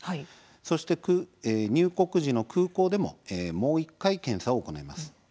そして入国時の空港でももう１回検査を行います。